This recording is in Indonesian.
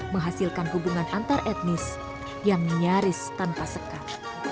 menghasilkan hubungan antaretnis yang nyaris tanpa sekat